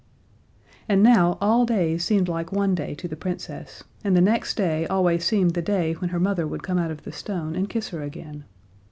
And now all days seemed like one day to the Princess, and the next day always seemed the day when her mother would come out of the stone and kiss her again.